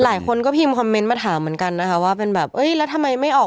หลายคนก็พิมพ์คอมเมนต์มาถามเหมือนกันนะคะว่าเป็นแบบเอ้ยแล้วทำไมไม่ออก